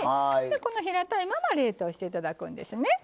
この平たいまま冷凍して頂くんですね。